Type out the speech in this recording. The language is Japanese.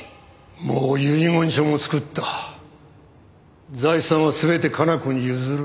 もう遺言書も作った財産はすべて加奈子に譲る